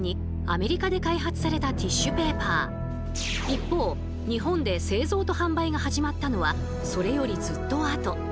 一方日本で製造と販売が始まったのはそれよりずっと後。